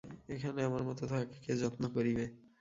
এখানে আমার মত তাঁহাকে কে যত্ন করিবে?